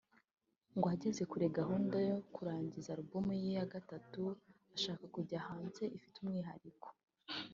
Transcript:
ngo ageze kure gahunda yo kurangiza album ya Gatatu ashaka ko izajya hanze ifite umwihariko